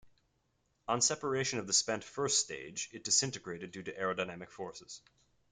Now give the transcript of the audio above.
On separation of the spent first stage, it disintegrated due to aerodynamic forces.